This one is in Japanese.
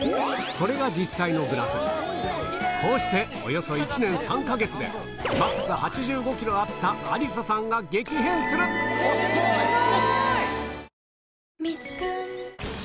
これが実際のグラフこうしておよそ１年３か月でＭＡＸ８５ｋｇあった亜里沙さんが激変するすごい！